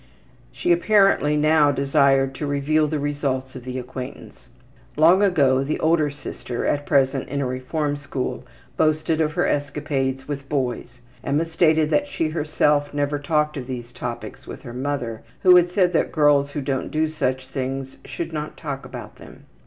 She apparently now desired to reveal the results of the acquaintance. Long ago the older sister, at present in a Reform School, boasted of her escapades with boys. Emma states that she herself never talked of these topics with her mother, who had said that girls who don't do such things should not talk about them.